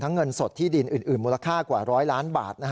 เงินสดที่ดินอื่นมูลค่ากว่า๑๐๐ล้านบาท